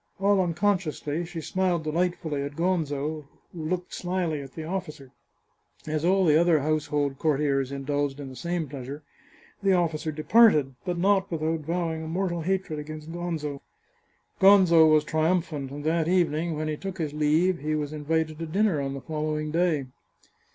All unconsciously, she smiled delightfully at Gonzo, who looked slyly at the officer. As all the other household cour tiers indulged in the same pleasure, the officer departed, but not without vowing a mortal hatred against Gonzo. Gonzo was triumphant, and that evening when he took his leave he was invited to dinner on the following day.